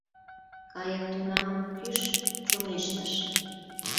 Кайык тунамак кӱш чоҥештыш.